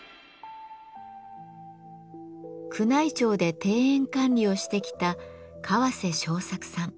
宮内庁で庭園管理をしてきた川瀬昇作さん。